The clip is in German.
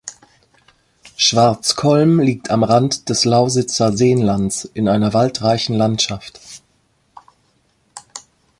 Schwarzkollm liegt am Rand des Lausitzer Seenlands in einer waldreichen Landschaft.